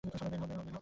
সবাই বের হও।